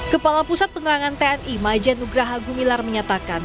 kepala pusat penerangan tni majenugraha gumilar menyatakan